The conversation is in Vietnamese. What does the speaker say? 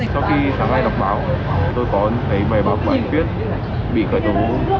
sau khi sáng nay đọc báo tôi có thấy bài báo của anh tuyết bị khởi tố